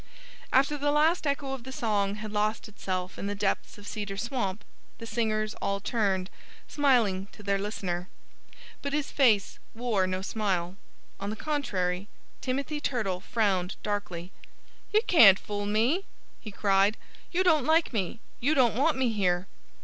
After the last echo of the song had lost itself in the depths of Cedar Swamp, the singers all turned, smiling, to their listener. But his face wore no smile. On the contrary, Timothy Turtle frowned darkly. "You can't fool me!" he cried. "You don't like me! You don't want me here!"